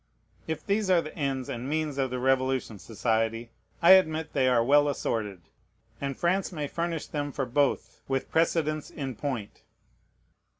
If these are the ends and means of the Revolution Society, I admit they are well assorted; and France may furnish them for both with precedents in point.